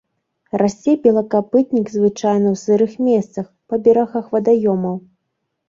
Расце белакапытнік звычайна ў сырых месцах, па берагах вадаёмаў.